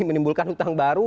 menimbulkan hutang baru